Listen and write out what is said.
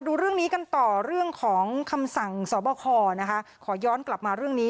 ดูเรื่องนี้กันต่อเรื่องของคำสั่งสอบคอนะคะขอย้อนกลับมาเรื่องนี้